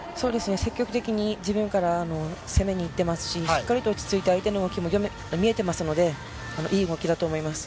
積極的に自分から攻めにいってますし、しっかりと落ち着いて相手の動きも見えていますので、いい動きだと思います。